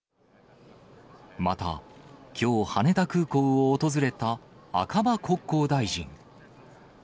また、きょう羽田空港を訪れた赤羽国交大臣。